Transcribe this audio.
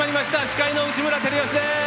司会の内村光良です。